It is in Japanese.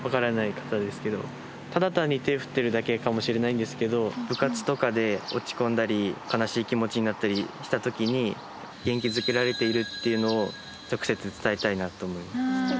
ただ単に手振ってるだけかもしれないんですけど部活とかで落ち込んだり悲しい気持ちになったりした時に元気づけられているっていうのを直接伝えたいなと思いました。